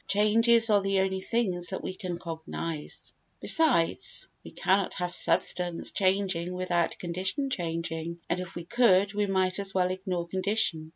Changes are the only things that we can cognise. Besides, we cannot have substance changing without condition changing, and if we could we might as well ignore condition.